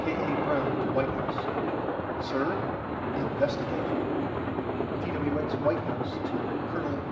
K. A. BROWN TO WHITE HOUSE: SIR INVESTIGATE TWX WHITE HOUSE TO COL.